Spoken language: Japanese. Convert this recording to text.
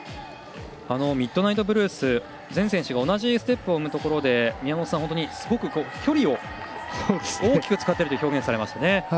ミッドナイトブルース全選手が同じステップを踏むところで宮本さん、本当にすごく距離を大きく使っていると表現されましたね。